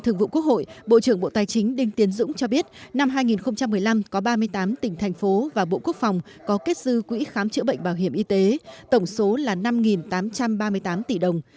năm hai nghìn một mươi năm có ba mươi tám tỉnh thành phố và bộ quốc phòng có kết dư quỹ khám chữa bệnh bảo hiểm y tế tổng số là năm tám trăm ba mươi tám tỷ đồng